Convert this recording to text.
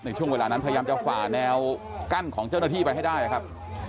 ช่วงเวลานั้นพยายามจะฝ่าแนวกั้นของเจ้าหน้าที่ไปให้ได้นะครับ